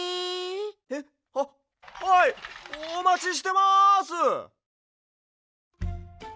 へっ？ははいおまちしてます！